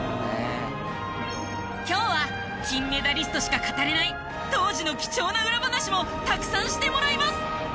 今日は金メダリストしか語れない当時の貴重な裏話もたくさんしてもらいます！